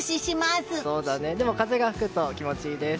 風が吹くと気持ちいいです。